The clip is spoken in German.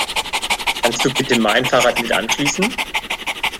Kannst du bitte mein Fahrrad mit anschließen?